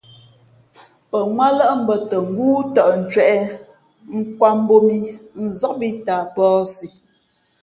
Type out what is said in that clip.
Pαŋwátlάʼ bᾱ tα ngóó tαʼ ncwēʼ, nkwāt mbōb mǐ, nzób ī tα a pᾱαsi.